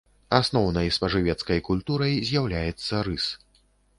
Асноўнай спажывецкай культурай з'яўляецца рыс.